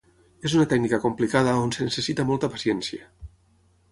És una tècnica complicada on es necessita molta paciència.